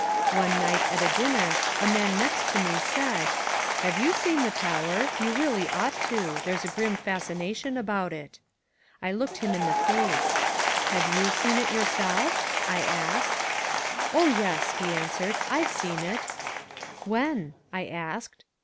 One night at a dinner a man next to me said, "Have you seen the Tower? You really ought to. There's a grim fascination about it." I looked him in the face. "Have you seen it yourself?" I asked. "Oh, yes," he answered. "I've seen it." "When?" I asked.